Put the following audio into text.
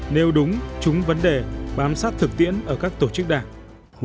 nếu đúng chúng vấn đề bám sát thực tiễn ở các tổ chức đảng